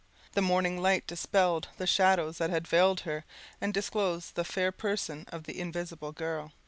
The morning light dispelled the shadows that had veiled her, and disclosed the fair person of the Invisible Girl.